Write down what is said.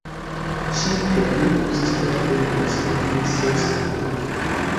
Ĉiu teamo konsistas de maksimume ses anoj.